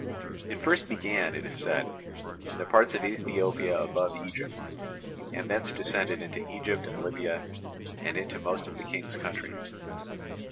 It first began, it is said, in the parts of Ethiopia above Egypt, and thence descended into Egypt and Libya and into most of the King's country.